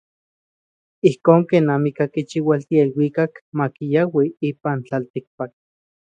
Ijkon ken amikaj kichiualtia iluikak makiaui ipan tlatikpak.